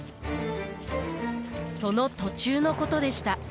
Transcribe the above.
その途中のことでした。